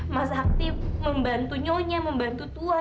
mas hakti membantu nyonya membantu tuan